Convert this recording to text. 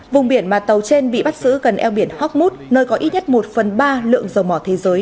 vùng biển mà tàu trên bị bắt giữ gần eo biển hockmood nơi có ít nhất một phần ba lượng dầu mỏ thế giới